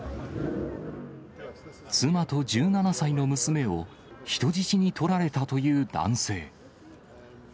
妻と１７歳の娘を人質に取られたという男性。